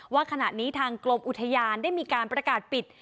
ว่าขณะนี้ทางกรมอุทยานได้มีการประกาศปิด